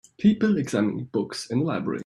People examine books in a library.